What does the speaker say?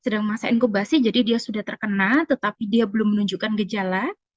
sedang masa inkubasi jadi dia sudah terkena tetapi dia belum menunjukkan gejala